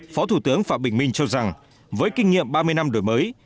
phó thủ tướng phạm bình minh cho rằng với kinh nghiệm ba mươi năm đổi mới